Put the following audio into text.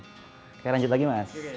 oke lanjut lagi mas